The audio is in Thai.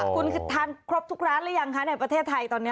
คุณทานครบทุกร้านหรือยังคะในประเทศไทยตอนนี้